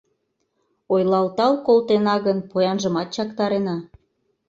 Ойлалтал колтена гын, поянжымат чактарена.